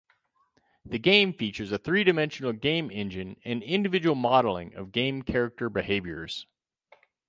The game features a three-dimensional game engine and individual modeling of game character behaviors.